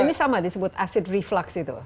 ini sama disebut aset reflux itu